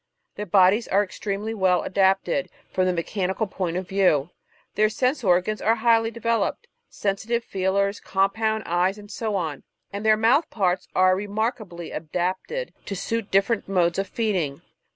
Their bodies are extremely well adapted from the mechanical point of view ; their sense organs are highly developed — sensitive feelers, compound eyes, and so on — and their mouth parts are remarkably adapted to suit different modes of feeding.